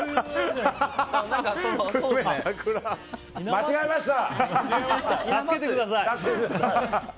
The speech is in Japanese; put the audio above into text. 間違えました！